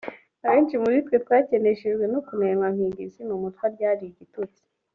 Abenshi muri twe twakeneshejwe no kunenwa Nkiga izina umutwa ryari igitutsi